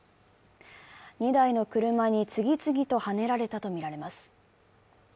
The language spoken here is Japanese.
２台の車に次々とはねられたとみられます。